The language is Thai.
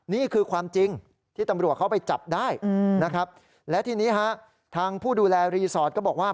นี่คือความจริงที่ตำรวจเขาไปจับได้นะครับและทีนี้ฮะทางผู้ดูแลรีสอร์ทก็บอกว่า